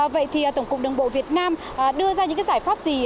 vậy thì tổng cục đường bộ việt nam đưa ra những giải pháp gì